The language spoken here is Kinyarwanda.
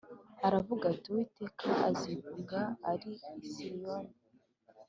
Aravuga ati “Uwiteka azivuga ari i Siyoni